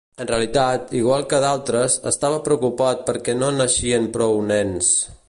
En realitat, igual que d'altres, estava preocupat perquè no naixien prou nens.